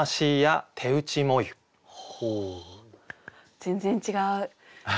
全然違う。